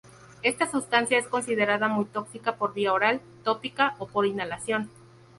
Esta sustancia es considerada muy tóxica por vía oral, tópica o por inhalación.